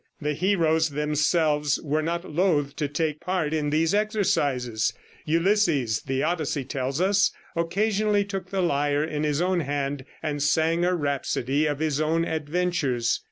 The heroes themselves were not loth to take part in these exercises. Ulysses, the Odyssey tells us, occasionally took the lyre in his own hand and sang a rhapsody of his own adventures.